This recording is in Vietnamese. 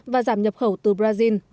và giảm nhập khẩu từ brazil